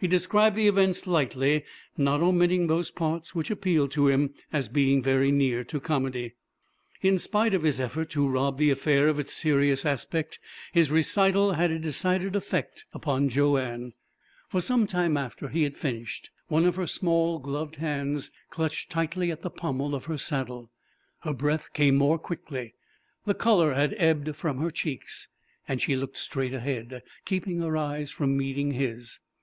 He described the events lightly, not omitting those parts which appealed to him as being very near to comedy. In spite of his effort to rob the affair of its serious aspect his recital had a decided effect upon Joanne. For some time after he had finished one of her small gloved hands clutched tightly at the pommel of her saddle; her breath came more quickly; the colour had ebbed from her cheeks, and she looked straight ahead, keeping her eyes from meeting his.